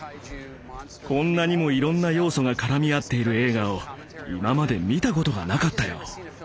こんなにもいろんな要素が絡み合っている映画を今まで見たことがなかったよ。